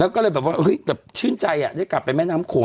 แล้วก็เลยแบบว่าแบบชื่นใจได้กลับไปแม่น้ำโขง